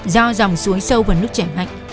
do dòng suối sâu và nước chảy mạnh